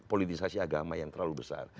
politisasi agama yang terlalu besar